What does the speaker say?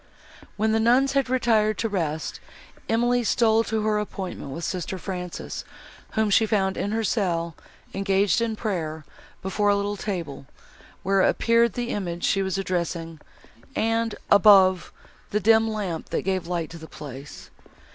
When the nuns had retired to rest, Emily stole to her appointment with sister Frances, whom she found in her cell, engaged in prayer, before a little table, where appeared the image she was addressing, and, above, the dim lamp that gave light to the place.